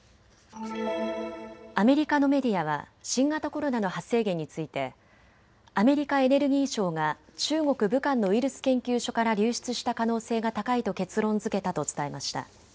アメリカのメディアは新型コロナの発生源についてアメリカ・エネルギー省が中国・武漢のウイルス研究所から流出した可能性が高いと結論づけたと伝えました。